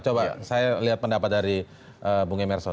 coba saya lihat pendapat dari bung emerson